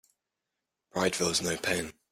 Pride feels no pain.